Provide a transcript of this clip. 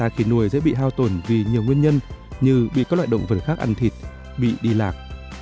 khi nuôi dễ bị hao tổn vì nhiều nguyên nhân như bị các loại động vật khác ăn thịt bị đi lạc